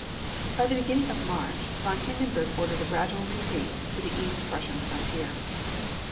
By the beginning of March, von Hindenburg ordered a gradual retreat to the East Prussian frontier.